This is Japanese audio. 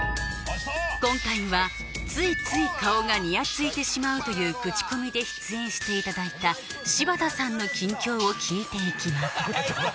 今回はついつい顔がニヤついてしまうというクチコミで出演していただいた柴田さんの近況を聞いていきます